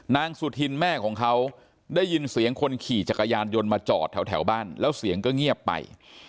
นางสุธินแม่ของเขาได้ยินเสียงคนขี่จักรยานยนต์มาจอดแถวบ้านแล้วเสียงก็เงียบไป